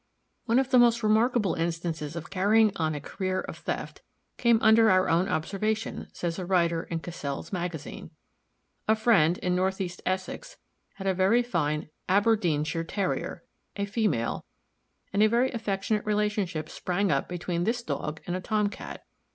One of the most remarkable instances of carrying on a career of theft came under our own observation, says a writer in Cassell's Magazine. A friend in northeast Essex had a very fine Aberdeenshire Terrier, a female, and a very affectionate relationship sprang up between this Dog and a Tom cat.